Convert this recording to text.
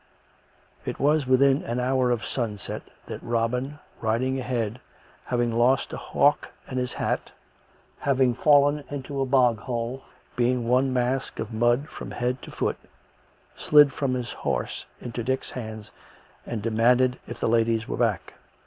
It was within an hour of sunset that Robin, riding ahead, having lost a hawk and his hat, having fallen into a bog hole, being one mask of mud from head to foot, slid from his horse into Dick's hands and demanded if the ladies were back.